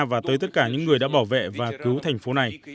và tới tất cả những người đã bảo vệ và cứu thành phố này